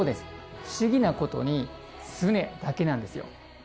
不思議な事にスネだけなんですよ。